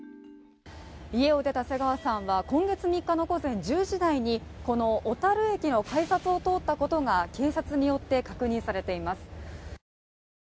家を出た瀬川さんは、今月３日の午前１０時台に、この小樽駅の改札を通ったことが警察によって確認されています。